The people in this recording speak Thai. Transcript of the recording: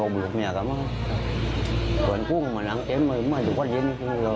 ก็อย่างโอ้งความแบบนั้น